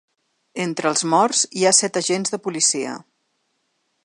Entre els morts hi ha set agents de policia.